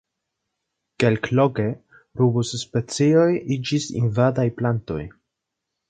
Kelkloke rubus-specioj iĝis invadaj plantoj.